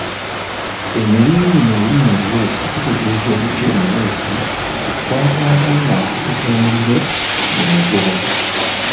Emirindi mu lulimi oluweesi kitegeeza obuti omuweesi kwa'kwata ngáfukuta omuliro mu muvubo.